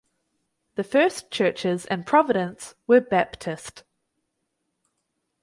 The first churches in Providence were Baptist.